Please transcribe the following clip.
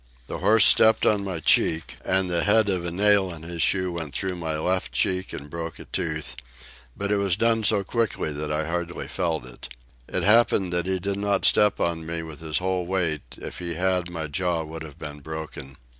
The horse stepped on my cheek, and the head of a nail in his shoe went through my left cheek and broke a tooth, but it was done so quickly that I hardly felt it. It happened that he did not step on me with his whole weight, if he had my jaw would have been broken.